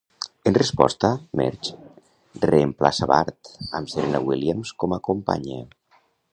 En resposta, Marge reemplaça Bart amb Serena Williams com a companya.